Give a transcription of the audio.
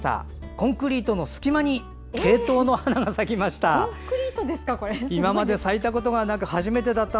コンクリートの隙間にケイトウの花が咲きました。